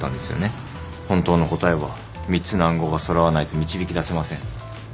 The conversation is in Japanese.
本当の答えは３つの暗号が揃わないと導き出せません。